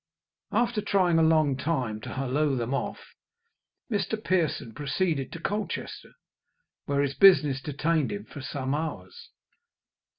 After trying a long time to halloo them off, Mr. Pearson proceeded to Colchester, where his business detained him some hours.